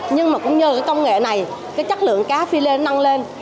nhưng mà cũng nhờ cái công nghệ này cái chất lượng cá philin nâng lên